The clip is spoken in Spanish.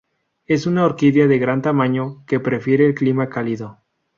Es una orquídea de gran tamaño, que prefiere el clima cálido.